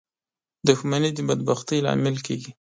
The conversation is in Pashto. • دښمني د بدبختۍ لامل کېږي.